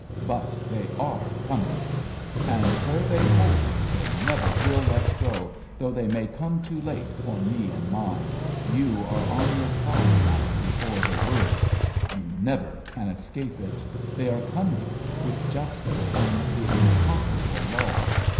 But they are coming, And, where they hold, they never will let go. Though they may come too late for me and mine, You are on your trial now before the world. 62 A BELGIAN CHRISTMAS EVE You never can escape it. They are coining, With justice and the unconquerable law